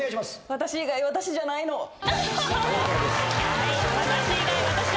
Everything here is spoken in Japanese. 『私以外私じゃないの』正解です。